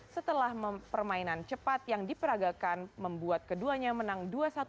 setelah permainan cepat yang diperagakan membuat keduanya menang dua satu